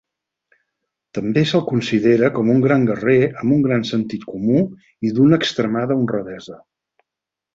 També se'l considera com un gran guerrer amb gran sentit comú i d'una extremada honradesa.